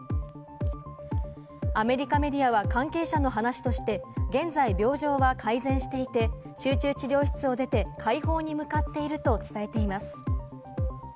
アメリカメディアは関係者の話として、現在、病状は改善していて、集中治療室を出て、快方に向かっていると伝えています。